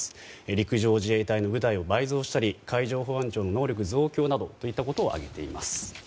陸上自衛隊の部隊を倍増したり海上保安庁の能力増強などを挙げています。